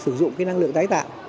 sử dụng cái năng lượng tái tạo